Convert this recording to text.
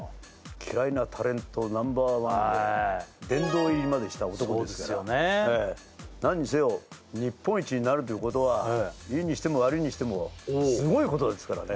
嫌いなタレントＮｏ．１で殿堂入りまでした男ですからそうですよね何にせよ日本一になるということはいいにしても悪いにしてもすごいことですからね